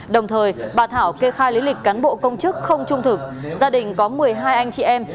đồng thời bà thảo kê khai lý lịch cán bộ công chức không trung thực gia đình có một mươi hai anh chị em